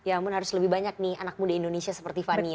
ya pun harus lebih banyak nih anak muda indonesia seperti fani ya